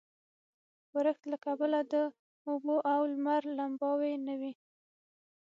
ورښت له کبله د اوبو او لمر لمباوې نه وې.